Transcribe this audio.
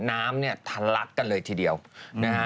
น้ำเนี่ยทะลักกันเลยทีเดียวนะฮะ